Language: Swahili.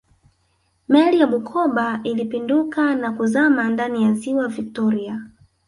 meli ya bukoba ilipinduka na kuzama ndani ya ziwa victoria